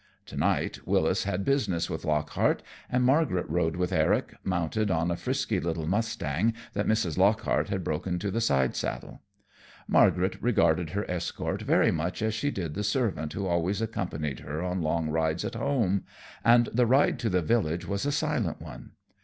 To night Wyllis had business with Lockhart, and Margaret rode with Eric, mounted on a frisky little mustang that Mrs. Lockhart had broken to the side saddle. Margaret regarded her escort very much as she did the servant who always accompanied her on long rides at home, and the ride to the village was a silent one.